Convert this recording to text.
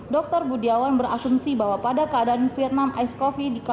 dr budiawan berasumsi bahwa pada keadaan vietnam ice coffee